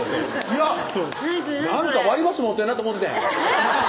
いやっなんか割り箸持ってんなと思っててん